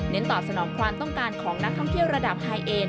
ตอบสนองความต้องการของนักท่องเที่ยวระดับไฮเอน